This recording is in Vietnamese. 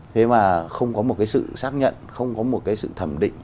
thế mà không có một sự xác nhận không có một sự thẩm định